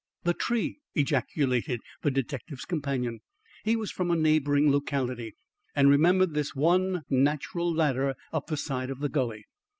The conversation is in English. "The tree!" ejaculated the detective's companion. He was from a neighbouring locality and remembered this one natural ladder up the side of the gully.